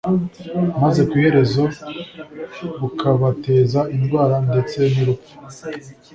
maze ku iherezo bukabateza indwara ndetse nurupfu